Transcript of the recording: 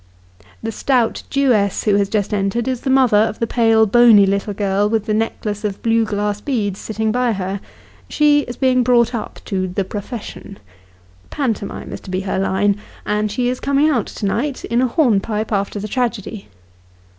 The stout Jewess who has just entered, is the mother of the pale bony little girl, with the necklace of blue glass beads, sitting by her ; she is being brought up to " the profession." Pantomime is to be her line, and she is coming out to night, in a hornpipe after the tragedy.